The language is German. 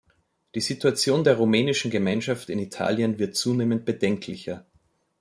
Die Situation der rumänischen Gemeinschaft in Italien wird zunehmend bedenklicher.